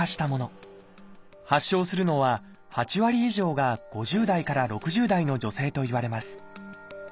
発症するのは８割以上が５０代から６０代の女性といわれます。